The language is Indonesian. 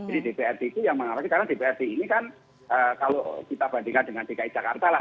jadi dprd itu yang mengarangkan karena dprd ini kan kalau kita bandingkan dengan dki jakarta lah